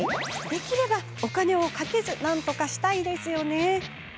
できればお金をかけずなんとかしたいですよね。